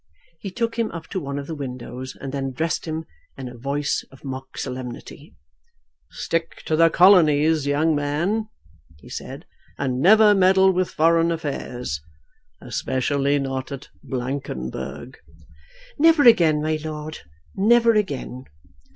He took him up to one of the windows and then addressed him in a voice of mock solemnity. "Stick to the colonies, young man," he said, "and never meddle with foreign affairs; especially not at Blankenberg." "Never again, my Lord; never again."